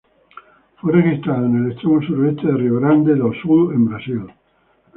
Fue registrado en el extremo sureste de Río Grande do Sul en Brasil.